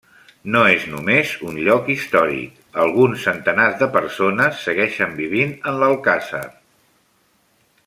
No és només un lloc històric, alguns centenars de persones segueixen vivint en l'alcàsser.